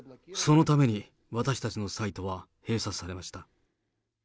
そのために私たちのサイトは閉鎖されました。